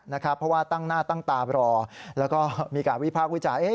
เพราะว่าตั้งหน้าตั้งตารอแล้วก็มีการวิพากษ์วิจารณ์